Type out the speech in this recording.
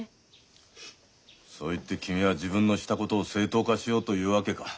そう言って君は自分のしたことを正当化しようというわけか。